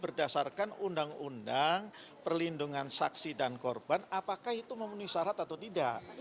berdasarkan undang undang perlindungan saksi dan korban apakah itu memenuhi syarat atau tidak